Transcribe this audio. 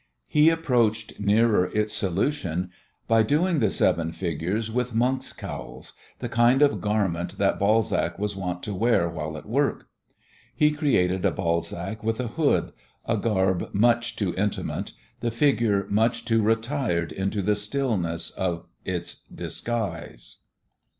He approached nearer its solution by dothing the seven figures with monk's cowls, the kind of garment that Balzac was wont to wear while at work. He created a Balzac with a hood, a garb much too intimate, the figure much too retired into the stillness of its disguise.